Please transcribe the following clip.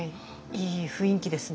いい雰囲気ですね。